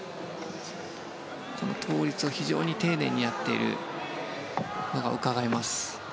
この倒立を非常に丁寧にやっているのがうかがえます。